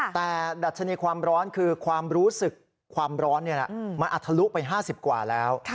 แต่ดัชนีความร้อนคือความรู้สึกความร้อนมันอัดทะลุไป๕๐กว่าแล้ว